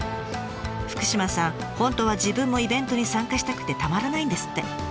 本当は自分もイベントに参加したくてたまらないんですって。